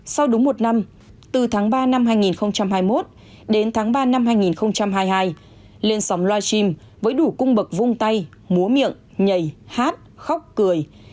sau đúng một năm từ tháng ba năm hai nghìn hai mươi một đến tháng ba năm hai nghìn hai mươi hai lên sóng live stream với đủ cung bậc vung tay múa miệng nhầy hát khóc cười